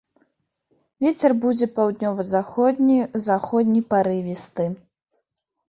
Вецер будзе паўднёва-заходні, заходні парывісты.